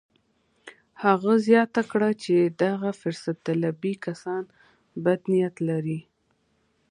هغه زياته کړه چې دغه فرصت طلبي کسان بد نيت لري.